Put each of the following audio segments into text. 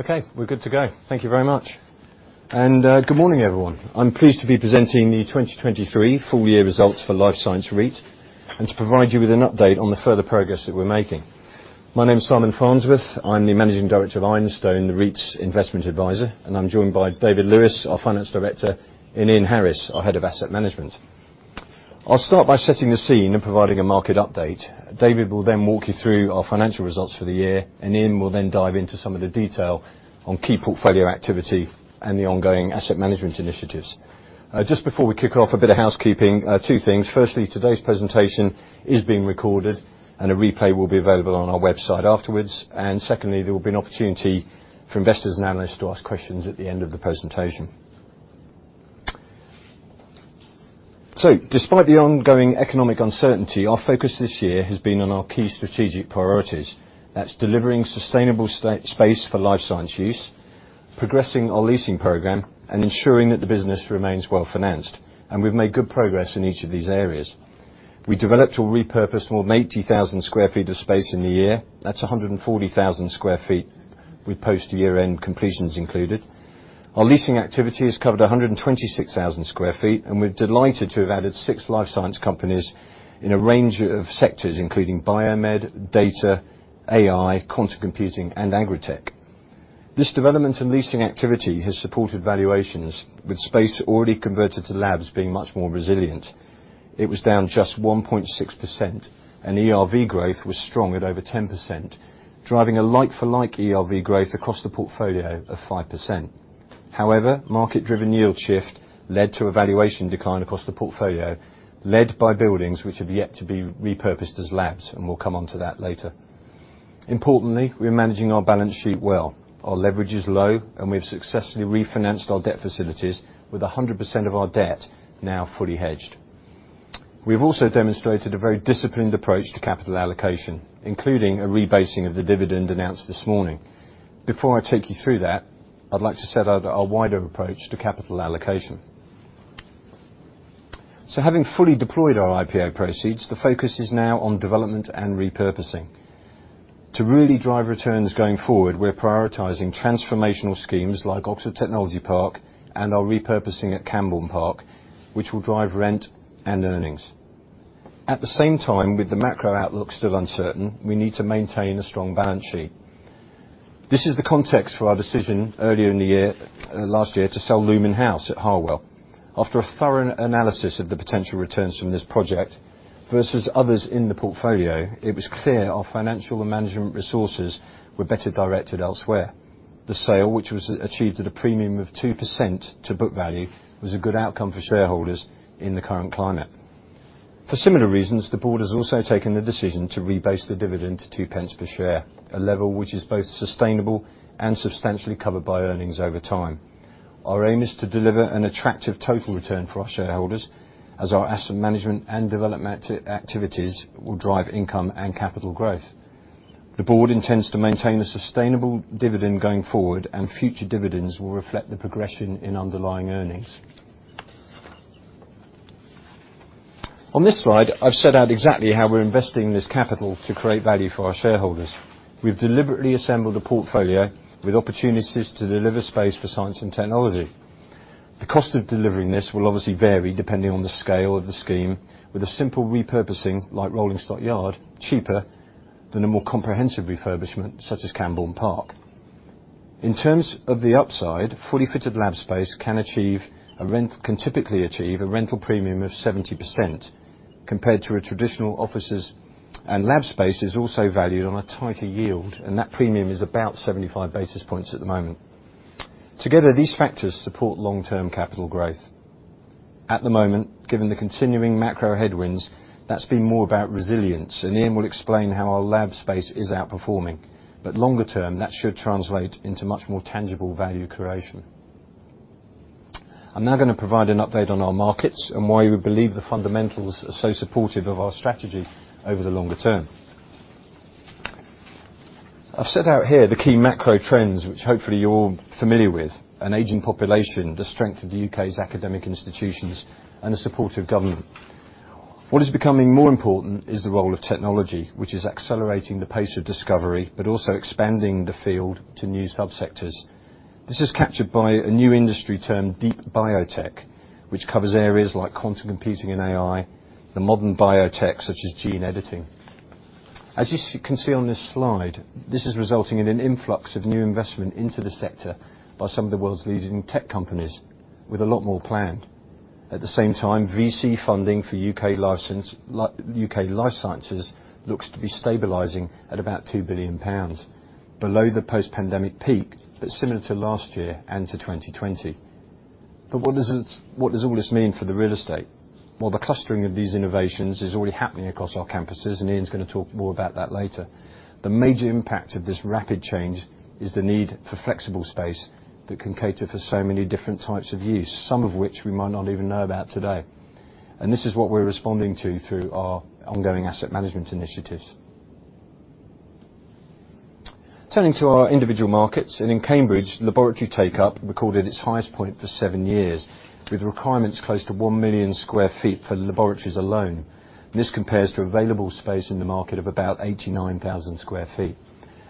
Okay, we're good to go. Thank you very much. Good morning, everyone. I'm pleased to be presenting the 2023 full-year results for Life Science REIT and to provide you with an update on the further progress that we're making. My name's Simon Farnsworth. I'm the Managing Director of Ironstone, the REIT's investment advisor, and I'm joined by David Lewis, our Finance Director, and Ian Harris, our Head of Asset Management. I'll start by setting the scene and providing a market update. David will then walk you through our financial results for the year, and Ian will then dive into some of the detail on key portfolio activity and the ongoing asset management initiatives. Just before we kick off, a bit of housekeeping, two things. Firstly, today's presentation is being recorded, and a replay will be available on our website afterwards. And secondly, there will be an opportunity for investors and analysts to ask questions at the end of the presentation. So despite the ongoing economic uncertainty, our focus this year has been on our key strategic priorities. That's delivering sustainable space for life science use, progressing our leasing program, and ensuring that the business remains well-financed. And we've made good progress in each of these areas. We developed or repurposed more than 80,000 sq ft of space in the year. That's 140,000 sq ft with post-year-end completions included. Our leasing activity has covered 126,000 sq ft, and we're delighted to have added six life science companies in a range of sectors including biomed, data, AI, quantum computing, and agritech. This development in leasing activity has supported valuations, with space already converted to labs being much more resilient. It was down just 1.6%, and ERV growth was strong at over 10%, driving a like-for-like ERV growth across the portfolio of 5%. However, market-driven yield shift led to a valuation decline across the portfolio, led by buildings which have yet to be repurposed as labs, and we'll come onto that later. Importantly, we're managing our balance sheet well. Our leverage is low, and we've successfully refinanced our debt facilities with 100% of our debt now fully hedged. We've also demonstrated a very disciplined approach to capital allocation, including a rebasing of the dividend announced this morning. Before I take you through that, I'd like to set out our wider approach to capital allocation. So having fully deployed our IPO proceeds, the focus is now on development and repurposing. To really drive returns going forward, we're prioritizing transformational schemes like Oxford Technology Park and our repurposing at Cambourne Park, which will drive rent and earnings. At the same time, with the macro outlook still uncertain, we need to maintain a strong balance sheet. This is the context for our decision earlier in the year, last year, to sell Lumen House at Harwell. After a thorough analysis of the potential returns from this project versus others in the portfolio, it was clear our financial and management resources were better directed elsewhere. The sale, which was achieved at a premium of 2% to book value, was a good outcome for shareholders in the current climate. For similar reasons, the board has also taken the decision to rebase the dividend to 0.02 per share, a level which is both sustainable and substantially covered by earnings over time. Our aim is to deliver an attractive total return for our shareholders, as our asset management and development activities will drive income and capital growth. The board intends to maintain a sustainable dividend going forward, and future dividends will reflect the progression in underlying earnings. On this slide, I've set out exactly how we're investing this capital to create value for our shareholders. We've deliberately assembled a portfolio with opportunities to deliver space for science and technology. The cost of delivering this will obviously vary depending on the scale of the scheme, with a simple repurposing like Rolling Stock Yard cheaper than a more comprehensive refurbishment such as Cambourne Park. In terms of the upside, fully fitted lab space can typically achieve a rental premium of 70% compared to a traditional offices and lab space is also valued on a tighter yield, and that premium is about 75 basis points at the moment. Together, these factors support long-term capital growth. At the moment, given the continuing macro headwinds, that's been more about resilience, and Ian will explain how our lab space is outperforming. But longer term, that should translate into much more tangible value creation. I'm now gonna provide an update on our markets and why we believe the fundamentals are so supportive of our strategy over the longer term. I've set out here the key macro trends which hopefully you're all familiar with: an aging population, the strength of the U.K.'s academic institutions, and the support of government. What is becoming more important is the role of technology, which is accelerating the pace of discovery but also expanding the field to new subsectors. This is captured by a new industry term, deep biotech, which covers areas like quantum computing and AI, the modern biotech such as gene editing. As you can see on this slide, this is resulting in an influx of new investment into the sector by some of the world's leading tech companies, with a lot more planned. At the same time, VC funding for UK life sciences looks to be stabilizing at about 2 billion pounds, below the post-pandemic peak but similar to last year and to 2020. But what does all this mean for the real estate? Well, the clustering of these innovations is already happening across our campuses, and Ian's gonna talk more about that later. The major impact of this rapid change is the need for flexible space that can cater for so many different types of use, some of which we might not even know about today. And this is what we're responding to through our ongoing asset management initiatives. Turning to our individual markets, and in Cambridge, laboratory takeup recorded its highest point for seven years, with requirements close to 1 million sq ft for laboratories alone. This compares to available space in the market of about 89,000 sq ft.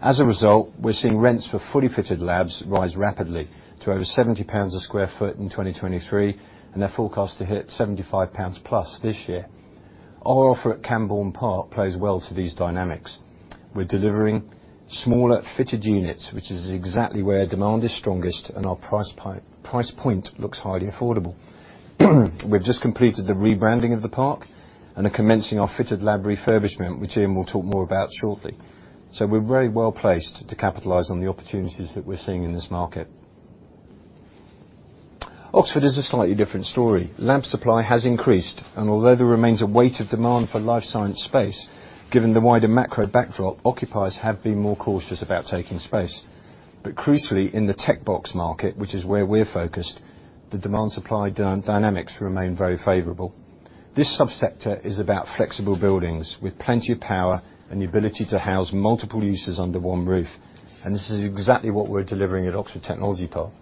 As a result, we're seeing rents for fully fitted labs rise rapidly to over 70 pounds a sq ft in 2023, and they're forecast to hit 75+ pounds this year. Our offer at Cambourne Park plays well to these dynamics. We're delivering smaller, fitted units, which is exactly where demand is strongest and our price point looks highly affordable. We've just completed the rebranding of the park and are commencing our fitted lab refurbishment, which Ian will talk more about shortly. So we're very well placed to capitalize on the opportunities that we're seeing in this market. Oxford is a slightly different story. Lab supply has increased, and although there remains a weight of demand for life science space, given the wider macro backdrop, occupiers have been more cautious about taking space. But crucially, in the tech box market, which is where we're focused, the demand-supply dynamics remain very favorable. This subsector is about flexible buildings with plenty of power and the ability to house multiple uses under one roof, and this is exactly what we're delivering at Oxford Technology Park.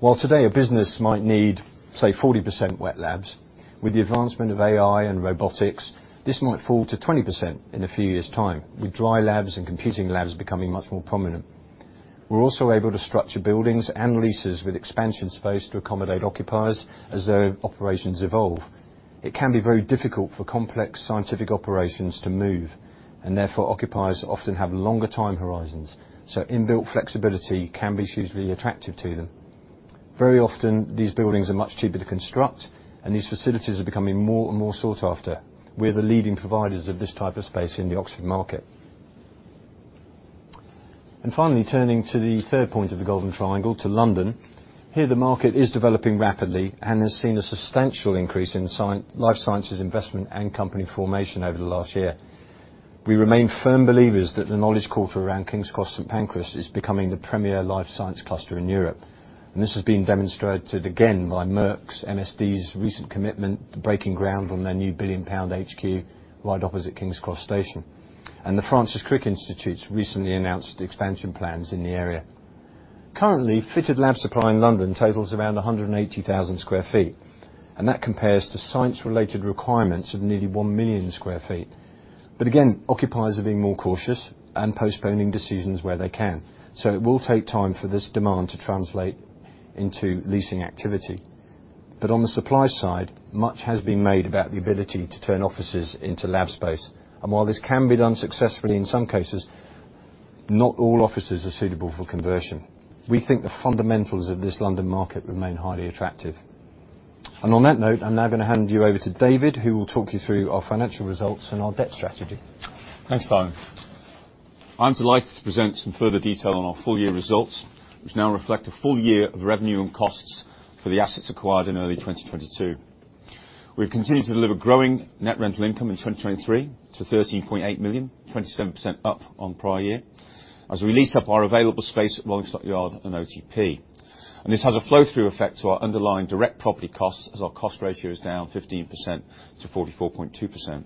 While today a business might need, say, 40% wet labs, with the advancement of AI and robotics, this might fall to 20% in a few years' time, with dry labs and computing labs becoming much more prominent. We're also able to structure buildings and leases with expansion space to accommodate occupiers as their operations evolve. It can be very difficult for complex scientific operations to move, and therefore occupiers often have longer time horizons, so inbuilt flexibility can be hugely attractive to them. Very often, these buildings are much cheaper to construct, and these facilities are becoming more and more sought after. We're the leading providers of this type of space in the Oxford market. And finally, turning to the third point of the Golden Triangle, to London. Here, the market is developing rapidly and has seen a substantial increase in science life sciences investment and company formation over the last year. We remain firm believers that the Knowledge Quarter around King's Cross St Pancras is becoming the premier life science cluster in Europe. This has been demonstrated again by Merck's MSD's recent commitment to breaking ground on their new 1 billion pound HQ right opposite King's Cross Station, and the Francis Crick Institute's recently announced expansion plans in the area. Currently, fitted lab supply in London totals around 180,000 sq ft, and that compares to science-related requirements of nearly 1 million sq ft. Again, occupiers are being more cautious and postponing decisions where they can. It will take time for this demand to translate into leasing activity. On the supply side, much has been made about the ability to turn offices into lab space. While this can be done successfully in some cases, not all offices are suitable for conversion. We think the fundamentals of this London market remain highly attractive. On that note, I'm now gonna hand you over to David, who will talk you through our financial results and our debt strategy. Thanks, Simon. I'm delighted to present some further detail on our full-year results, which now reflect a full year of revenue and costs for the assets acquired in early 2022. We've continued to deliver growing net rental income in 2023 to 13.8 million, 27% up on prior year, as we lease up our available space at Rolling Stock Yard and OTP. This has a flow-through effect to our underlying direct property costs as our cost ratio is down 15%-44.2%.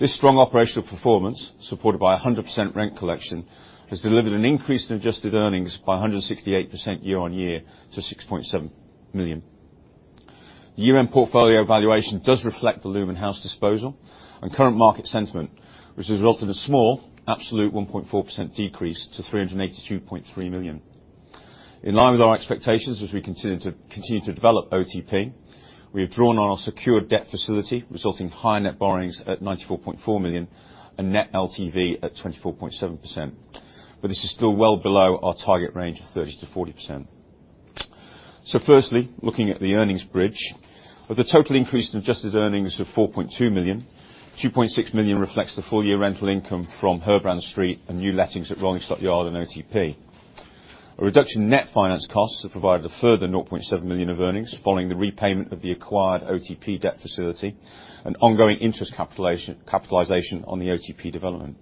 This strong operational performance, supported by 100% rent collection, has delivered an increase in adjusted earnings by 168% year-over-year to 6.7 million. The year-end portfolio valuation does reflect the Lumen House disposal and current market sentiment, which has resulted in a small absolute 1.4% decrease to 382.3 million. In line with our expectations, as we continue to develop OTP, we have drawn on our secured debt facility, resulting in higher net borrowings at 94.4 million and net LTV at 24.7%. But this is still well below our target range of 30%-40%. So firstly, looking at the earnings bridge. With a total increase in adjusted earnings of 4.2 million, 2.6 million reflects the full-year rental income from Herbrand Street and new lettings at Rolling Stock Yard and OTP. A reduction in net finance costs has provided a further 0.7 million of earnings following the repayment of the acquired OTP debt facility and ongoing interest capitalization on the OTP development.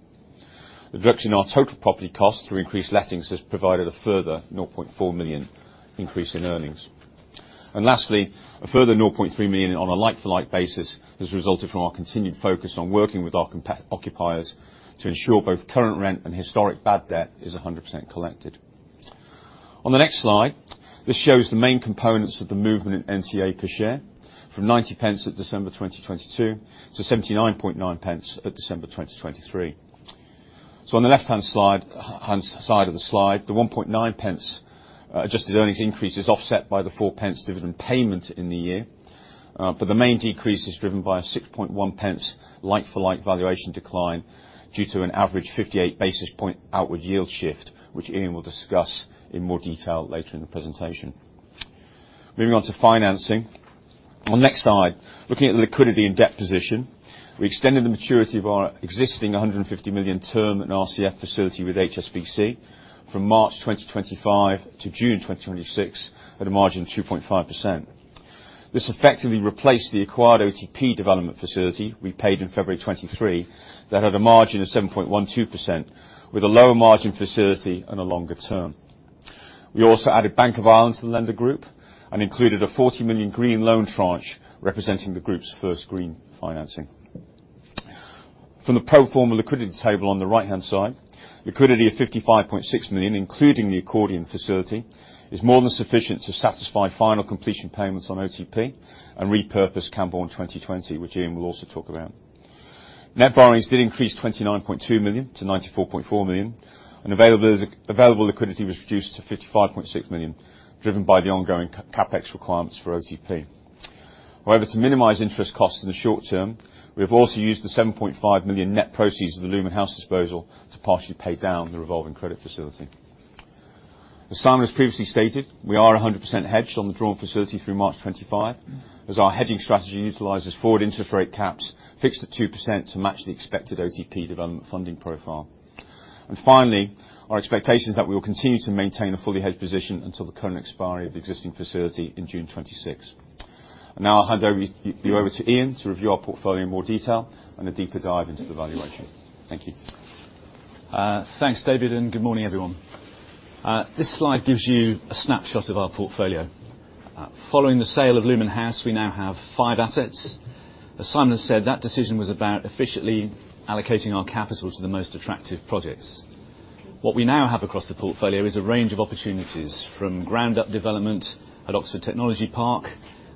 A reduction in our total property costs through increased lettings has provided a further 0.4 million increase in earnings. Lastly, a further 0.3 million on a like-for-like basis has resulted from our continued focus on working with our company occupiers to ensure both current rent and historic bad debt is 100% collected. On the next slide, this shows the main components of the movement in NTA per share, from 0.90 at December 2022 to 0.799 at December 2023. So on the left-hand side of the slide, the 0.019 adjusted earnings increase is offset by the 0.04 dividend payment in the year. But the main decrease is driven by a 0.061 like-for-like valuation decline due to an average 58 basis point outward yield shift, which Ian will discuss in more detail later in the presentation. Moving on to financing. On the next slide, looking at the liquidity and debt position, we extended the maturity of our existing 150 million term and RCF facility with HSBC from March 2025 to June 2026 at a margin of 2.5%. This effectively replaced the acquired OTP development facility we paid in February 2023 that had a margin of 7.12% with a lower margin facility and a longer term. We also added Bank of Ireland to the lender group and included a 40 million green loan tranche representing the group's first green financing. From the pro forma liquidity table on the right-hand side, liquidity of 55.6 million, including the accordion facility, is more than sufficient to satisfy final completion payments on OTP and repurpose Cambourne 2020, which Ian will also talk about. Net borrowings did increase 29.2 million to 94.4 million, and available liquidity was reduced to 55.6 million, driven by the ongoing CapEx requirements for OTP. However, to minimize interest costs in the short term, we have also used the 7.5 million net proceeds of the Lumen House disposal to partially pay down the revolving credit facility. As Simon has previously stated, we are 100% hedged on the drawn facility through March 2025, as our hedging strategy utilizes forward interest rate caps fixed at 2% to match the expected OTP development funding profile. Finally, our expectation is that we will continue to maintain a fully hedged position until the current expiry of the existing facility in June 2026. Now I'll hand you over to Ian to review our portfolio in more detail and a deeper dive into the valuation. Thank you. Thanks, David, and good morning, everyone. This slide gives you a snapshot of our portfolio. Following the sale of Lumen House, we now have five assets. As Simon has said, that decision was about efficiently allocating our capital to the most attractive projects. What we now have across the portfolio is a range of opportunities, from ground-up development at Oxford Technology Park,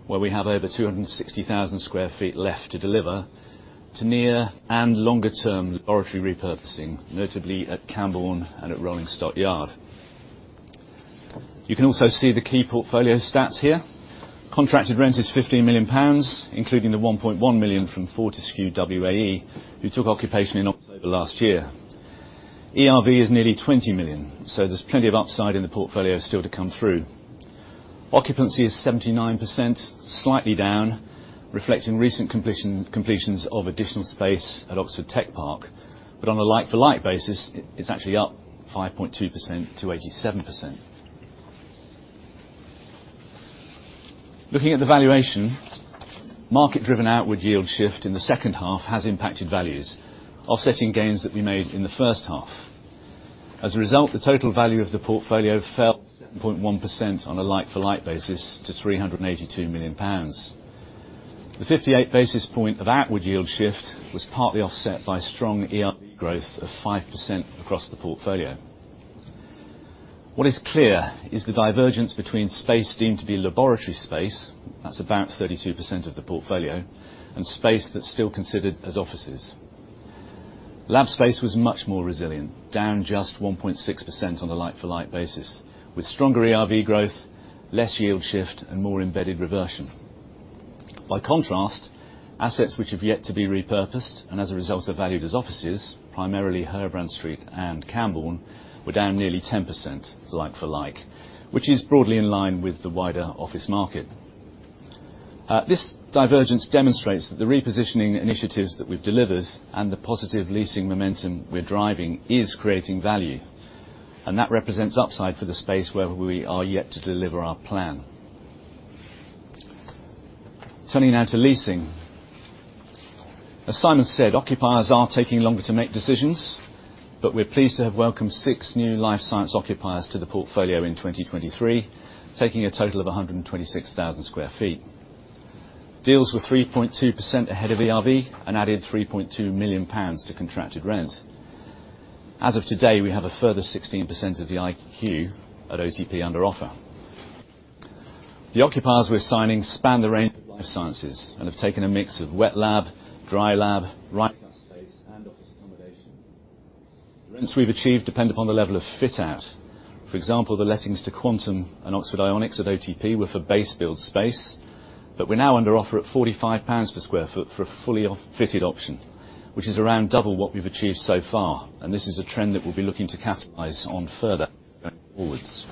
where we have over 260,000 sq ft left to deliver, to near- and longer-term laboratory repurposing, notably at Cambourne and at Rolling Stock Yard. You can also see the key portfolio stats here. Contracted rent is 15 million pounds, including the 1.1 million from Fortescue WAE, who took occupation in October last year. ERV is nearly 20 million, so there's plenty of upside in the portfolio still to come through. Occupancy is 79%, slightly down, reflecting recent completions of additional space at Oxford Tech Park. But on a like-for-like basis, it's actually up 5.2%-87%. Looking at the valuation, market-driven outward yield shift in the second half has impacted values, offsetting gains that we made in the first half. As a result, the total value of the portfolio fell 7.1% on a like-for-like basis to 382 million pounds. The 58 basis point of outward yield shift was partly offset by strong ERV growth of 5% across the portfolio. What is clear is the divergence between space deemed to be laboratory space - that's about 32% of the portfolio - and space that's still considered as offices. Lab space was much more resilient, down just 1.6% on a like-for-like basis, with stronger ERV growth, less yield shift, and more embedded reversion. By contrast, assets which have yet to be repurposed and as a result are valued as offices, primarily Herbrand Street and Cambourne, were down nearly 10% like-for-like, which is broadly in line with the wider office market. This divergence demonstrates that the repositioning initiatives that we've delivered and the positive leasing momentum we're driving is creating value, and that represents upside for the space where we are yet to deliver our plan. Turning now to leasing. As Simon said, occupiers are taking longer to make decisions, but we're pleased to have welcomed six new life science occupiers to the portfolio in 2023, taking a total of 126,000 sq ft. Deals were 3.2% ahead of ERV and added 3.2 million pounds to contracted rent. As of today, we have a further 16% of the IQ at OTP under offer. The occupiers we're signing span the range of life sciences and have taken a mix of wet lab, dry lab, write-out space, and office accommodation. The rents we've achieved depend upon the level of fit-out. For example, the lettings to Quantum and Oxford Ionics at OTP were for base-build space, but we're now under offer at 45 pounds a per sq ft for a fully fitted option, which is around double what we've achieved so far. And this is a trend that we'll be looking to capitalize on further going forwards.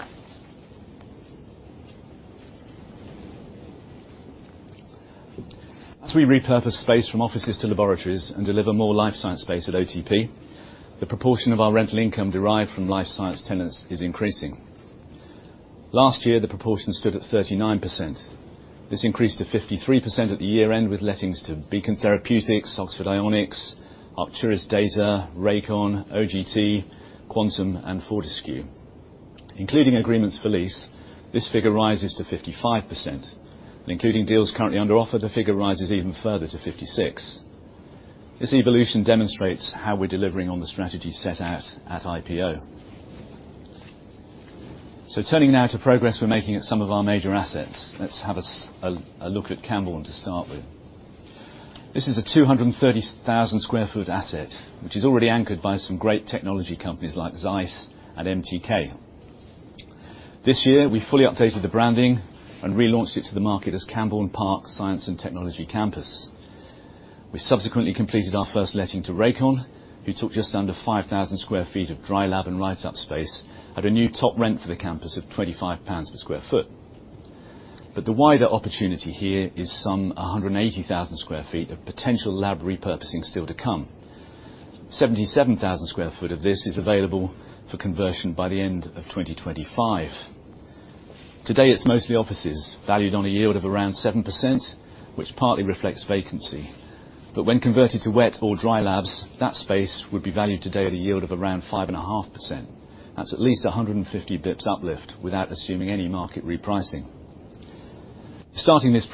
As we repurpose space from offices to laboratories and deliver more life science space at OTP, the proportion of our rental income derived from life science tenants is increasing. Last year, the proportion stood at 39%. This increased to 53% at the year-end with lettings to Beacon Therapeutics, Oxford Ionics, Arcturis Data, Rakon, OGT, Quantum, and Fortescue. Including agreements for lease, this figure rises to 55%. Including deals currently under offer, the figure rises even further to 56%. This evolution demonstrates how we're delivering on the strategy set out at IPO. Turning now to progress we're making at some of our major assets. Let's have a look at Cambourne to start with. This is a 230,000 sq ft asset, which is already anchored by some great technology companies like ZEISS and MTK. This year, we fully updated the branding and relaunched it to the market as Cambourne Park Science & Technology Campus. We subsequently completed our first letting to Rakon, who took just under 5,000 sq ft of dry lab and write-out space, at a new top rent for the campus of 25 pounds a per sq ft. But the wider opportunity here is some 180,000 sq ft of potential lab repurposing still to come. 77,000 sq ft of this is available for conversion by the end of 2025. Today, it's mostly offices, valued on a yield of around 7%, which partly reflects vacancy. But when converted to wet or dry labs, that space would be valued today at a yield of around 5.5%. That's at least 150 basis points uplift without assuming any market repricing. Starting this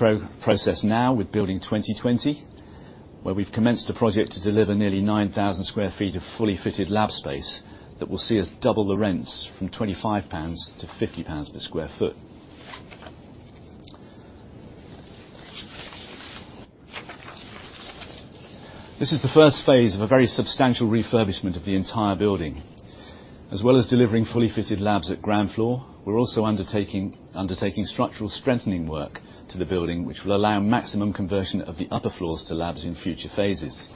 process now with Building 2020, where we've commenced a project to deliver nearly 9,000 sq ft of fully fitted lab space that will see us double the rents from 25 pounds to 50 pounds per sq ft. This is the first phase of a very substantial refurbishment of the entire building. As well as delivering fully fitted labs at ground floor, we're also undertaking structural strengthening work to the building, which will allow maximum conversion of the upper floors to labs in future phases.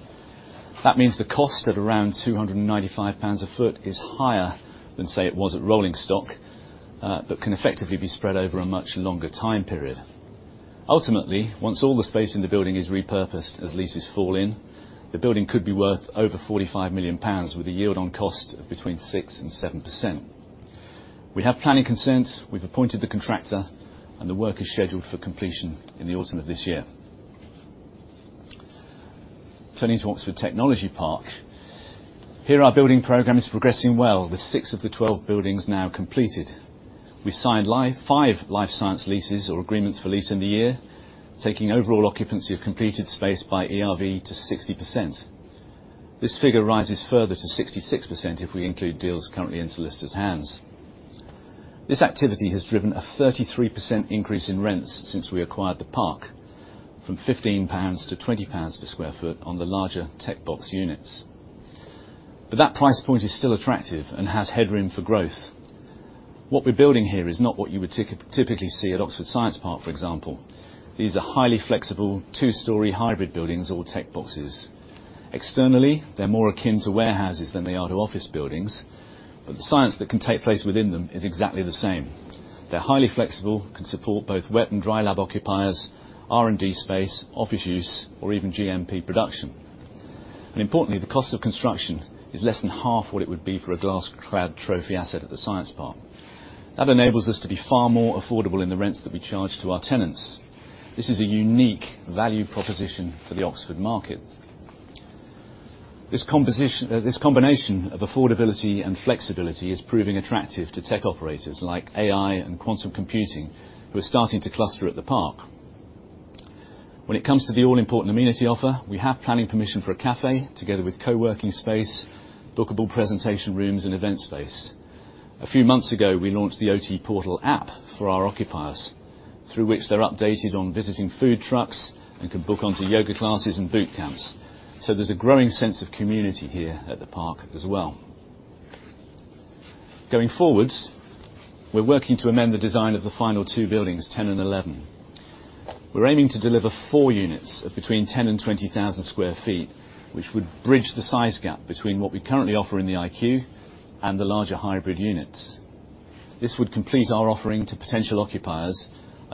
That means the cost at around 295 pounds a ft is higher than, say, it was at Rolling Stock, but can effectively be spread over a much longer time period. Ultimately, once all the space in the building is repurposed as leases fall in, the building could be worth over 45 million pounds with a yield on cost of between 6% and 7%. We have planning consent. We've appointed the contractor, and the work is scheduled for completion in the autumn of this year. Turning to Oxford Technology Park. Here, our building program is progressing well, with six of the 12 buildings now completed. We signed 5 life science leases or agreements for lease in the year, taking overall occupancy of completed space by ERV to 60%. This figure rises further to 66% if we include deals currently in solicitor's hands. This activity has driven a 33% increase in rents since we acquired the park, from 15 pounds to 20 pounds per sq ft on the larger tech box units. But that price point is still attractive and has headroom for growth. What we're building here is not what you would typically see at Oxford Science Park, for example. These are highly flexible two-story hybrid buildings or tech boxes. Externally, they're more akin to warehouses than they are to office buildings, but the science that can take place within them is exactly the same. They're highly flexible, can support both wet and dry lab occupiers, R&D space, office use, or even GMP production. Importantly, the cost of construction is less than half what it would be for a glass-clad trophy asset at the Science Park. That enables us to be far more affordable in the rents that we charge to our tenants. This is a unique value proposition for the Oxford market. This composition this combination of affordability and flexibility is proving attractive to tech operators like AI and quantum computing, who are starting to cluster at the park. When it comes to the all-important amenity offer, we have planning permission for a café together with coworking space, bookable presentation rooms, and event space. A few months ago, we launched the OTPortal app for our occupiers, through which they're updated on visiting food trucks and can book onto yoga classes and boot camps. So there's a growing sense of community here at the park as well. Going forward, we're working to amend the design of the final two buildings, 10 and 11. We're aiming to deliver 4 units of between 10-20,000 sq ft, which would bridge the size gap between what we currently offer in the IQ and the larger hybrid units. This would complete our offering to potential occupiers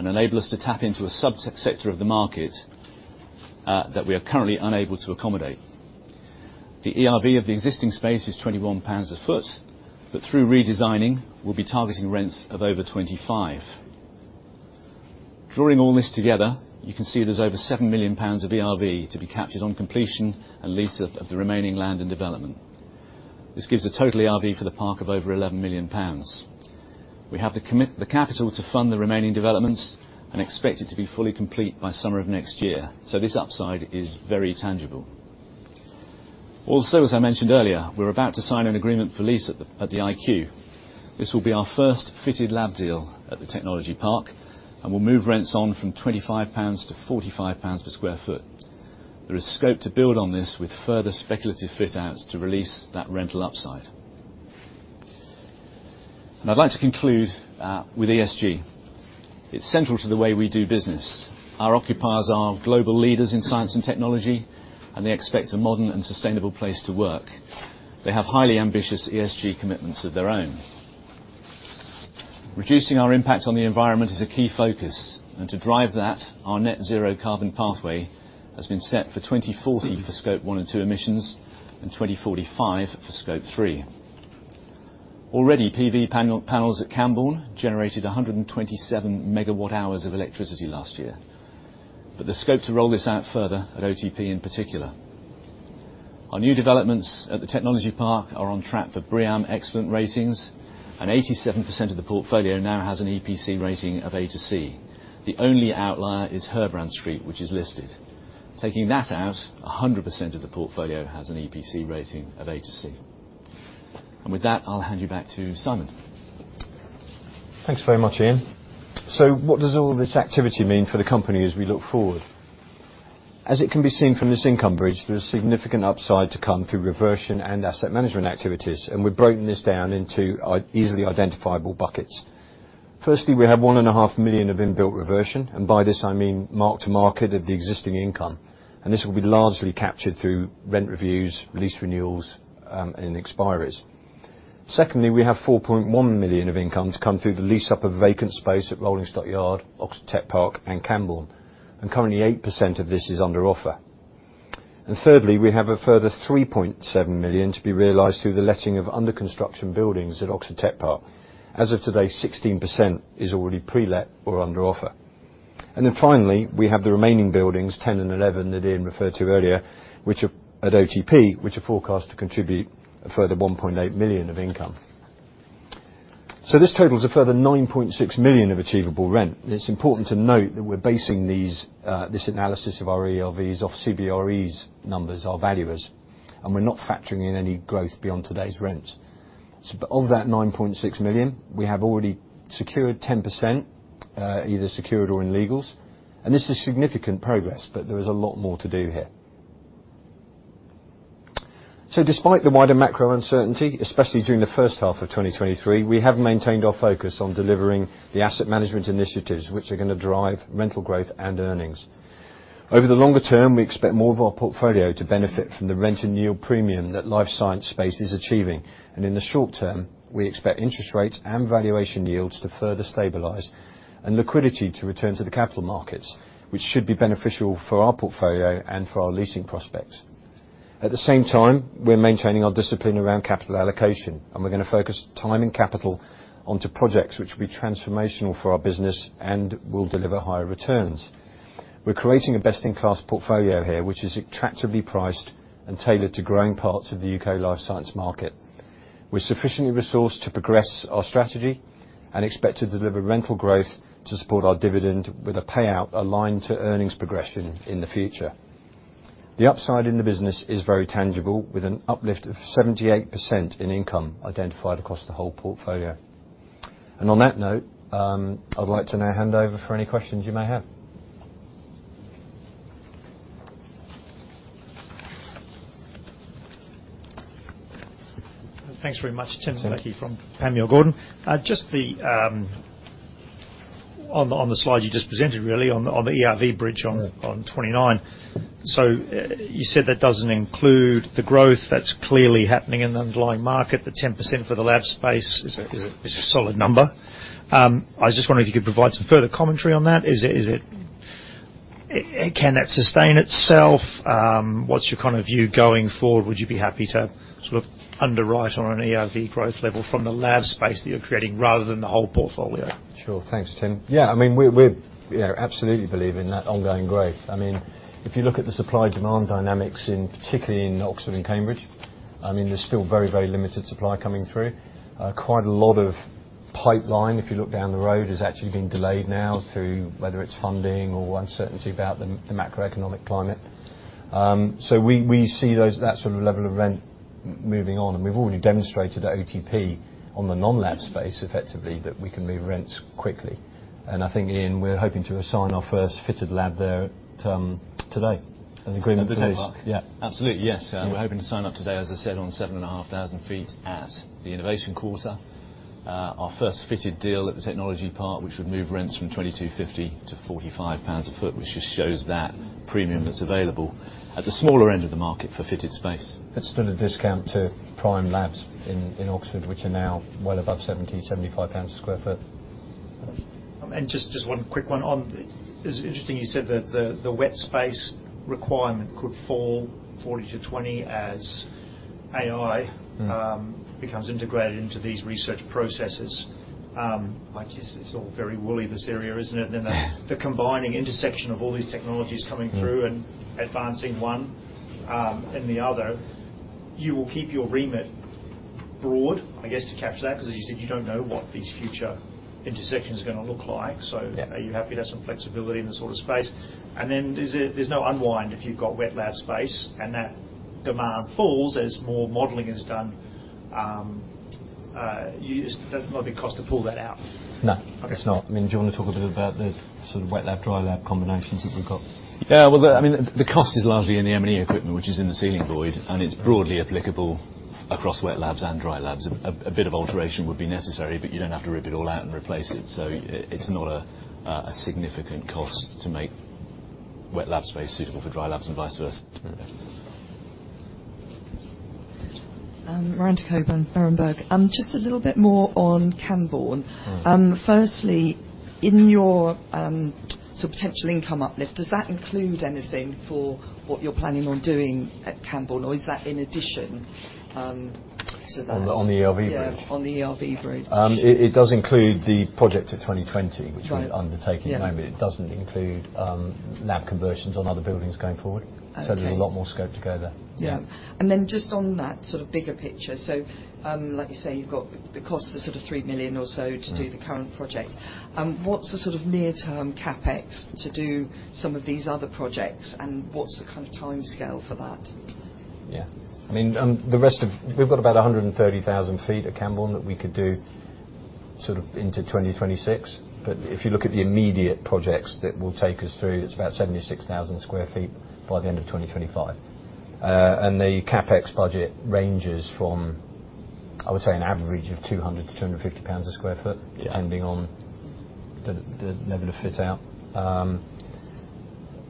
and enable us to tap into a sub-sector of the market, that we are currently unable to accommodate. The ERV of the existing space is 21 pounds a ft, but through redesigning, we'll be targeting rents of over 25. Drawing all this together, you can see there's over 7 million pounds of ERV to be captured on completion and lease of the remaining land and development. This gives a total ERV for the park of over 11 million pounds. We have to commit the capital to fund the remaining developments and expect it to be fully complete by summer of next year, so this upside is very tangible. Also, as I mentioned earlier, we're about to sign an agreement for lease at the IQ. This will be our first fitted lab deal at the Technology Park, and we'll move rents on from 25 pounds to 45 pounds per sq ft. There is scope to build on this with further speculative fit-outs to release that rental upside. And I'd like to conclude with ESG. It's central to the way we do business. Our occupiers are global leaders in science and technology, and they expect a modern and sustainable place to work. They have highly ambitious ESG commitments of their own. Reducing our impact on the environment is a key focus, and to drive that, our net-zero carbon pathway has been set for 2040 for Scope 1 and 2 emissions and 2045 for Scope 3. Already, PV panels at Cambourne generated 127 MWh of electricity last year, but there's scope to roll this out further at OTP in particular. Our new developments at the Technology Park are on track for BREEAM Excellent ratings, and 87% of the portfolio now has an EPC rating of A to C. The only outlier is Herbran Street, which is listed. Taking that out, 100% of the portfolio has an EPC rating of A to C. And with that, I'll hand you back to Simon. Thanks very much, Ian. So what does all this activity mean for the company as we look forward? As it can be seen from this income bridge, there is significant upside to come through reversion and asset management activities, and we've broken this down into three easily identifiable buckets. Firstly, we have 1.5 million of inbuilt reversion, and by this I mean mark-to-market of the existing income, and this will be largely captured through rent reviews, lease renewals, and expiries. Secondly, we have 4.1 million of income to come through the lease-up of vacant space at Rolling Stock Yard, Oxford Tech Park, and Cambourne, and currently 8% of this is under offer. And thirdly, we have a further 3.7 million to be realized through the letting of under-construction buildings at Oxford Tech Park. As of today, 16% is already pre-let or under offer. And then finally, we have the remaining buildings, 10 and 11 that Ian referred to earlier, which are at OTP, which are forecast to contribute a further 1.8 million of income. So this totals a further 9.6 million of achievable rent. It's important to note that we're basing these, this analysis of our ERVs off CBRE's numbers, our valuers, and we're not factoring in any growth beyond today's rents. So of that 9.6 million, we have already secured 10%, either secured or in legals, and this is significant progress, but there is a lot more to do here. So despite the wider macro uncertainty, especially during the first half of 2023, we have maintained our focus on delivering the asset management initiatives, which are going to drive rental growth and earnings. Over the longer term, we expect more of our portfolio to benefit from the rent-and-yield premium that life science space is achieving, and in the short term, we expect interest rates and valuation yields to further stabilize and liquidity to return to the capital markets, which should be beneficial for our portfolio and for our leasing prospects. At the same time, we're maintaining our discipline around capital allocation, and we're going to focus time and capital onto projects which will be transformational for our business and will deliver higher returns. We're creating a best-in-class portfolio here, which is attractively priced and tailored to growing parts of the U.K. life science market. We're sufficiently resourced to progress our strategy and expect to deliver rental growth to support our dividend with a payout aligned to earnings progression in the future. The upside in the business is very tangible, with an uplift of 78% in income identified across the whole portfolio. On that note, I'd like to now hand over for any questions you may have. Thanks very much. Tim Leckie from Panmure Gordon. Just the, on the slide you just presented, really, on the ERV bridge on 29%. So, you said that doesn't include the growth that's clearly happening in the underlying market. The 10% for the lab space is a solid number. I was just wondering if you could provide some further commentary on that. Is it - can that sustain itself? What's your kind of view going forward? Would you be happy to sort of underwrite on an ERV growth level from the lab space that you're creating rather than the whole portfolio? Sure. Thanks, Tim. Yeah, I mean, we're, you know, absolutely believe in that ongoing growth. I mean, if you look at the supply-demand dynamics, particularly in Oxford and Cambridge, I mean, there's still very, very limited supply coming through. Quite a lot of pipeline, if you look down the road, has actually been delayed now through whether it's funding or uncertainty about the macroeconomic climate. So we see those that sort of level of rent moving on, and we've already demonstrated at OTP on the non-lab space, effectively, that we can move rents quickly. And I think, Ian, we're hoping to assign our first fitted lab there at today. An agreement for those. At the Tech Park? Yeah. Absolutely. Yes. And we're hoping to sign up today, as I said, on 7,500 sq ft at the Innovation Quarter, our first fitted deal at the Technology Park, which would move rents from 22.50 to 45 pounds a sq ft, which just shows that premium that's available at the smaller end of the market for fitted space. That's still a discount to prime labs in Oxford, which are now well above 70-75 pounds a sq ft. Just one quick one on the. It's interesting you said that the wet space requirement could fall 40- 20 a sq ft as AI. Mm-hmm. becomes integrated into these research processes. I guess it's all very wooly this area, isn't it? And then the, the combining intersection of all these technologies coming through and advancing one, and the other. You will keep your remit broad, I guess, to capture that because, as you said, you don't know what these future intersections are going to look like, so. Yeah. Are you happy to have some flexibility in this sort of space? And then, is it there's no unwind if you've got wet lab space, and that demand falls as more modeling is done, you, it's doesn't there'll be cost to pull that out? No. It's not. I mean, do you want to talk a bit about the sort of wet lab/dry lab combinations that we've got? Yeah. Well, I mean, the cost is largely in the M&E equipment, which is in the ceiling void, and it's broadly applicable across wet labs and dry labs. A bit of alteration would be necessary, but you don't have to rip it all out and replace it, so it's not a significant cost to make wet lab space suitable for dry labs and vice versa. Mm-hmm. Miranda Cockburn. Just a little bit more on Cambourne. Mm-hmm. Firstly, in your sort of potential income uplift, does that include anything for what you're planning on doing at Cambourne, or is that in addition to that? Well, on the ERV bridge. Yeah. On the ERV bridge. It does include the project at 2020, which we're undertaking at the moment. Right. It doesn't include lab conversions on other buildings going forward. Oh, okay. So there's a lot more scope to go there. Yeah. Then just on that sort of bigger picture, so, like you say, you've got the cost of sort of 3 million or so to do the current project. What's the sort of near-term CapEx to do some of these other projects, and what's the kind of timescale for that? Yeah. I mean, the rest we've got about 130,000 sq ft at Cambourne that we could do sort of into 2026, but if you look at the immediate projects that will take us through, it's about 76,000 sq ft by the end of 2025. The CapEx budget ranges from, I would say, an average of 200-250 pounds a sq ft. Yeah. Depending on the level of fit-out,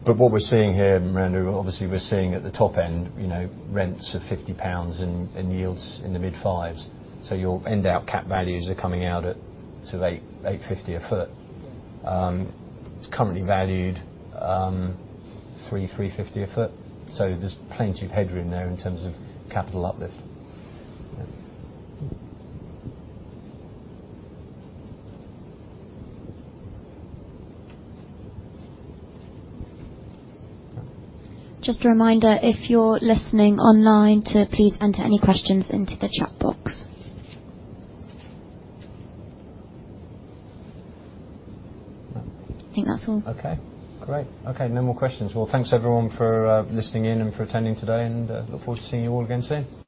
but what we're seeing here, Miranda, obviously, we're seeing at the top end, you know, rents of 50 pounds and yields in the mid-fives, so your end-out cap values are coming out at sort of 800- 850 a ft. Yeah. It's currently valued 300- 350 a ft, so there's plenty of headroom there in terms of capital uplift. Just a reminder, if you're listening online, to please enter any questions into the chat box. No. I think that's all. Okay. Great. Okay. No more questions. Well, thanks, everyone, for listening in and for attending today, and look forward to seeing you all again soon.